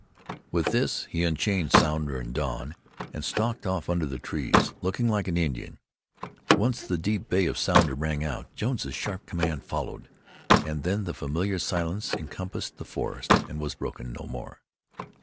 With this, he unchained Sounder and Don, and stalked off under the trees, looking like an Indian. Once the deep bay of Sounder rang out; Jones's sharp command followed, and then the familiar silence encompassed the forest and was broken no more.